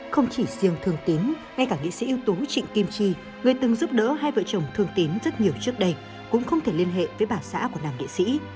không chỉ riêng thương tín ngay cả nghị sĩ ưu tú trịnh kim chi người từng giúp đỡ hai vợ chồng thương tín rất nhiều trước đây cũng không thể liên hệ với bà xã của làm nghệ sĩ